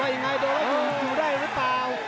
ว่าอย่างไรเดี๋ยวล่ะอยู่ได้หรือเปล่า